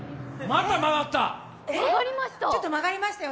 また曲がった。